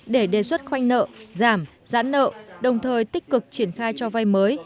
để đề xuất khoanh nợ giảm giãn nợ đồng thời tích cực triển khai cho vay mới